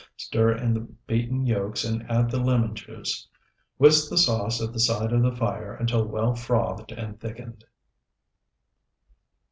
Stir in the beaten yolks and add the lemon juice. Whisk the sauce at the side of the fire until well frothed and thickened.